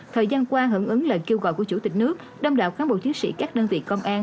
thời gian qua hưởng ứng lời kêu gọi của chủ tịch nước đông đảo cán bộ chiến sĩ các đơn vị công an